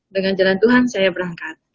dengan jalan tuhan saya berangkat